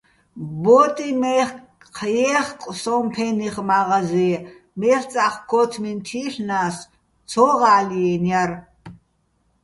ბო́ტიჼ მაჲჴი̆ ჲე́ხკო̆ სოჼ ფე́ნიხ მა́ღაზიე, მელწა́ხ ქო́თმინ თი́ლ'ნა́ს, ცო ღა́ლჲიენო̆ ჲარ.